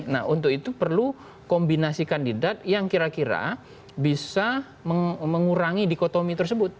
nah untuk itu perlu kombinasi kandidat yang kira kira bisa mengurangi dikotomi tersebut